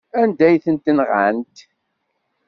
Anda ay tent-nɣant?